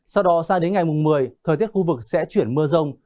sau đó xa đến ngày mùng một mươi thời tiết khu vực sẽ chuyển mưa rồng